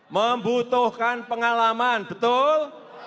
membutuhkan pengalaman betul